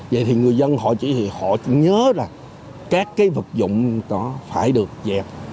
vậy thì người dân họ chỉ nhớ là các cái vật dụng đó phải được dẹp